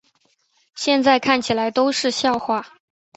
现在看起来都是笑话